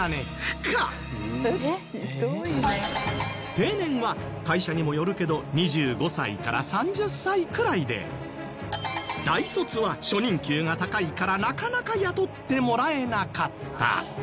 定年は会社にもよるけど２５歳から３０歳くらいで大卒は初任給が高いからなかなか雇ってもらえなかった。